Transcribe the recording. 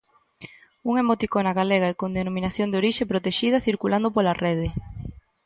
Unha emoticona galega e con denominación de orixe protexida circulando pola rede.